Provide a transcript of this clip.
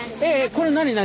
これ何何？